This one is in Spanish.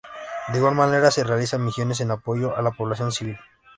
De igual manera se realizan misiones en apoyo a la población civil.